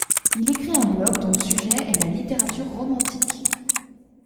Il écrit un blog dont le sujet est la littérature romantique.